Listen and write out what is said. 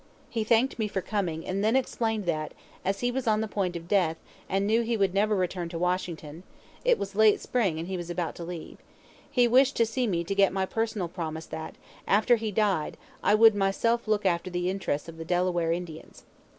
He thanked me for coming, and then explained that, as he was on the point of death and knew he would never return to Washington it was late spring and he was about to leave he wished to see me to get my personal promise that, after he died, I would myself look after the interests of the Delaware Indians.